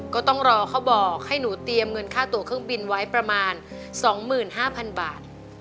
ก็ต้องรอเขาบอกให้หนูเตรียมเงินค่าตัวเครื่องบินไว้ประมาณ๒๕๐๐๐บาท